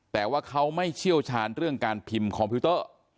แต่ว่าเขาไม่เชี่ยวชาญเรื่องการพิมพ์คอมพิวเตอร์